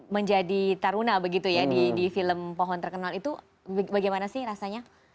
menjadi taruna begitu ya di film pohon terkenal itu bagaimana sih rasanya